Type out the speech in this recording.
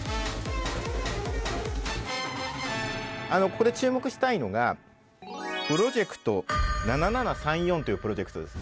ここで注目したいのがプロジェクト７７３４というプロジェクトです。